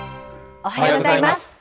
おはようございます。